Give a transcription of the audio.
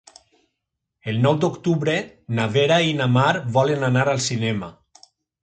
El nou d'octubre na Vera i na Mar volen anar al cinema.